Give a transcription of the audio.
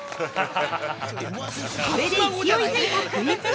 ◆これで勢いづいたクイズ王。